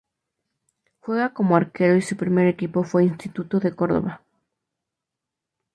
Juega como arquero y su primer equipo fue Instituto de Córdoba.